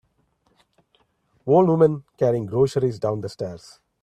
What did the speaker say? Old women carrying groceries down the stairs.